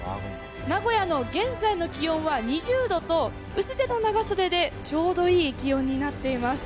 名古屋の現在の気温は２０度と、薄手の長袖でちょうどいい気温になっています。